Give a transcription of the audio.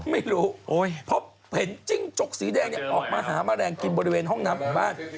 ไม่รู้พบเห็นจิ้งจกสีแดงออกมาหาแมลงกินบริเวณห้องน้ำของบ้าน